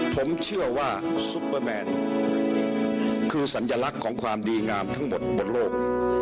ผมเชื่อว่าซุปเปอร์แมนคือสัญลักษณ์ของความดีงามทั้งหมดบนโลก